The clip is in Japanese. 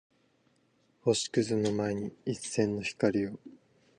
星屑の前に一閃の光を